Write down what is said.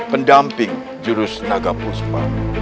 pendamping jurus naga puspa